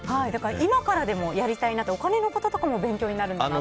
今からでもやりたいなとお金のこととかも勉強になるなら。